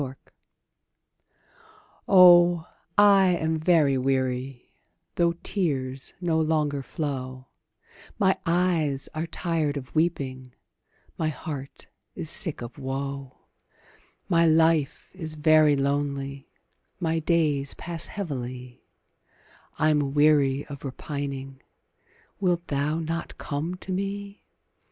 APPEAL. Oh, I am very weary, Though tears no longer flow; My eyes are tired of weeping, My heart is sick of woe; My life is very lonely My days pass heavily, I'm weary of repining; Wilt thou not come to me?